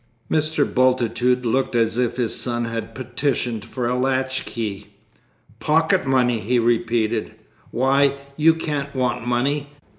Mr. Bultitude looked as if his son had petitioned for a latch key. "Pocket money!" he repeated, "why, you can't want money.